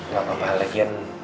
gak apa apa lekian